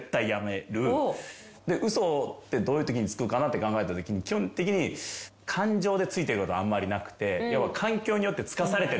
嘘ってどういうときにつくかなって考えたときに基本的に感情でついてることあんまりなくて。